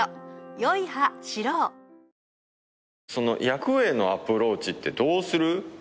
役へのアプローチってどうする？